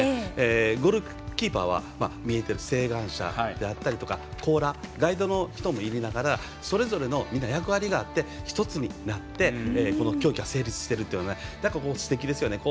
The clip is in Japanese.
ゴールキーパーは見えている晴眼者であったりとかコーラー、ガイドもそれぞれの役割があって１つになって、この競技は成立しているということがすてきですよね。